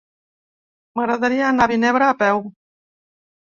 M'agradaria anar a Vinebre a peu.